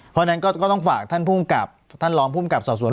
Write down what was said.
เพราะฉะนั้นก็ต้องฝากท่านภูมิกับท่านรองภูมิกับสอบสวน